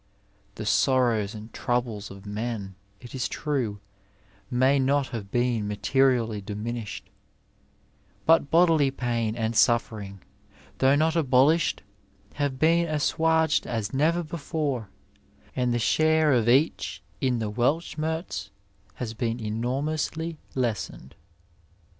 The sorrows and troubles of men, it is true, may not have been materially diminished, but bodily pain and sn£Eering, though not abolished, have been assuaged as never before, and the share of each in the WeUschmerz has been enormously lessened.